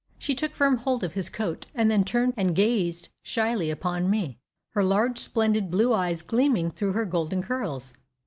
She took firm hold of his coat, and then turned and gazed shyly upon me her large splendid blue eyes gleaming through her golden curls.